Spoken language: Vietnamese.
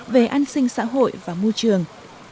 về an sinh xã hội và môi trường